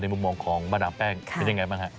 มุมมองของมาดามแป้งเป็นยังไงบ้างฮะ